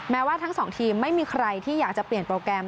ว่าทั้งสองทีมไม่มีใครที่อยากจะเปลี่ยนโปรแกรม